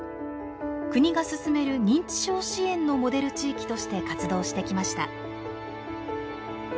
国が進める認知症支援のモデル地域として活動してきました。